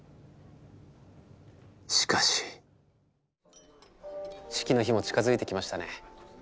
しかし式の日も近づいてきましたね。